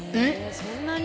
そんなに？